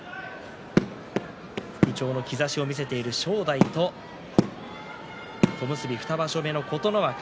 復調の兆しを見せている正代と小結２場所目の琴ノ若。